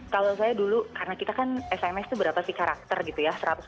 kalau saya dulu karena kita kan sms itu berapa sih karakter gitu ya